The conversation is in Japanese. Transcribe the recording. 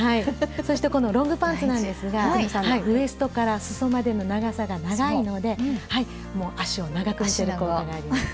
そしてこのロングパンツなんですがウエストからすそまでの長さが長いので足を長く見せる効果があります。